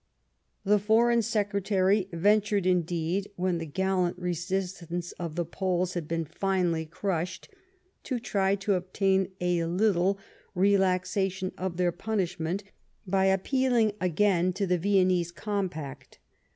The Foreign Secretary ventured, in deed, when the gallant resistance of the Poles had been finally crushed, to try to obtain a little relaxation of their punishment, by appealing again to the Viennese compact.